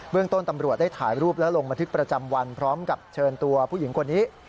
เรื่องต้นตำรวจได้ถ่ายรูปและลงบันทึกประจำวันพร้อมกับเชิญตัวผู้หญิงคนนี้